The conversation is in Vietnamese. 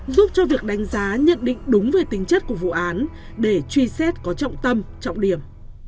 giúp cho việc đánh giá nhận định đúng về tính chất của vụ án để truy xét có trọng tâm trọng điểm